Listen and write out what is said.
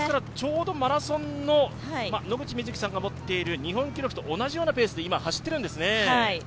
ちょうどマラソンの野口みずきさんが持っている日本記録と同じようなペースで走っているんですね。